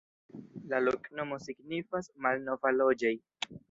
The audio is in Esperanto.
La loknomo signifas: malnova-loĝej'.